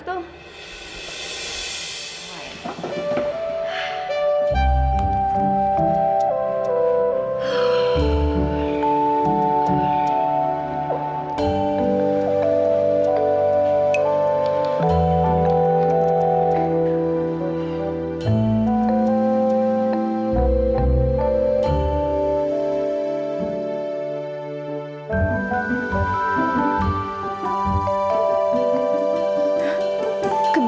seseorang yang bisa dikira